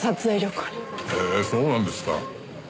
へえそうなんですか。